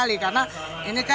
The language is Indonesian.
itu sangat membantu sekali